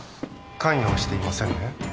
関与はしていませんね？